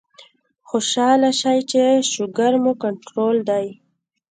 خوشاله شئ چې شوګر مو کنټرول دے